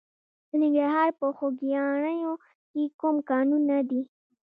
د ننګرهار په خوږیاڼیو کې کوم کانونه دي؟